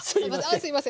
あすいません。